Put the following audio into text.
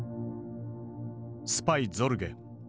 「スパイ・ゾルゲ」。